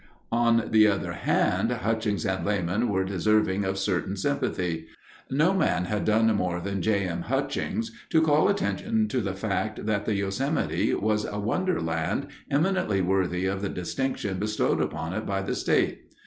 On the other hand, Hutchings and Lamon were deserving of certain sympathy. No man had done more than J. M. Hutchings to call attention to the fact that the Yosemite was a wonderland, eminently worthy of the distinction bestowed upon it by the state.